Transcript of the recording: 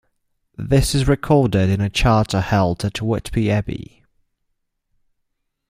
This is recorded in a charter held at Whitby Abbey.